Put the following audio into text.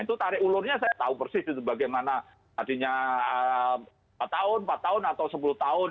itu tarik ulurnya saya tahu persis itu bagaimana tadinya empat tahun empat tahun atau sepuluh tahun